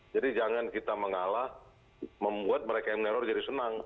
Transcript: jangan kita mengalah membuat mereka yang meneror jadi senang